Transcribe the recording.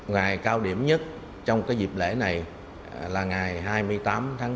ngày cao điểm nhất trong dịp lễ này là ngày hai mươi tám tháng bốn